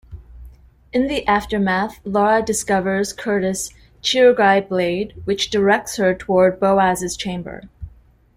In the aftermath, Lara discovers Kurtis' Chirugai blade, which directs her towards Boaz's chamber.